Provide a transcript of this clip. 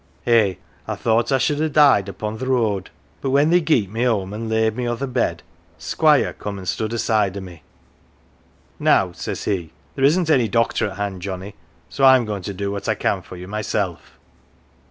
Eh, I thought I sh\l ha died upo 1 th 1 road ; but when they geet me home an 1 laid me o 1 th 1 bed, Squire come an 1 stood aside o 1 me. ' Now, 1 says he, ' there isn^ any doctor at hand, Johnnie, so Fin going to do what I can for you myself.